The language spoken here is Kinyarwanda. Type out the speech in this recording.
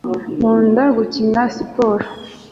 nkunda gukina siporo